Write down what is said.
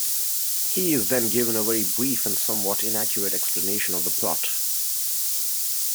He is then given a very brief and somewhat inaccurate explanation of the plot.